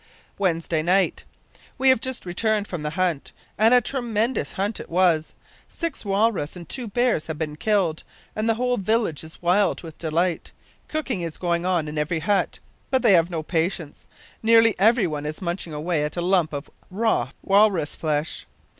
"Wednesday night. We have just returned from the hunt; and a tremendous hunt it was! Six walrus and two bears have been killed, and the whole village is wild with delight. Cooking is going on in every hut. But they have no patience. Nearly everyone is munching away at a lump of raw walrus flesh.